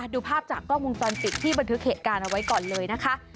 ดูภาพจากกล้องวงจรปิดที่บันทึกเหตุการณ์เอาไว้ก่อนเลยนะคะ